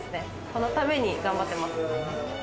このために頑張ってます。